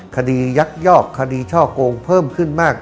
คดียักษ์ยอกคดีช่อกลงเพิ่มขึ้นมาก